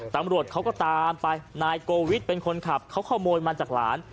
ตำรวจเขาก็ตามไปนายโกวิทเป็นคนขับเขาขโมยมาจากหลาน